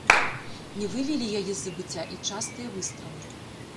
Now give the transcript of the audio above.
Не вывелі яе з забыцця і частыя выстралы.